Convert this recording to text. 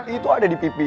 itu ada di pipi